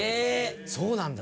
そうなんだ。